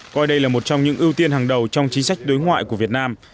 coi đây là một trong những ưu tiên hàng đầu trong chính sách đối ngoại của việt nam